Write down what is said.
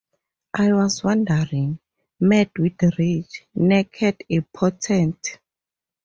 I was wandering, mad with rage, naked, impotent.